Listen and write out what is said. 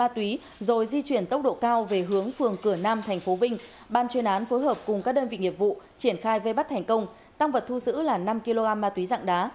triển khai vây bắt thành công tăng vật thu sữ là năm kg ma túy dạng đá